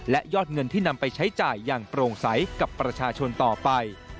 และยอดเงินที่นำไปใช้จ่ายอย่างโปร่งใสกับประชาชนต่อไป